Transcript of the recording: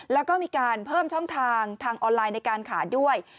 แล้วก็มีการเพิ่มช่องทางทางออนไลน์ในการขายด้วย